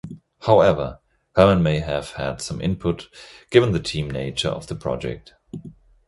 However, Herman may have had some input, given the team nature of the project.